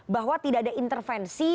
bahwa tidak ada intervensi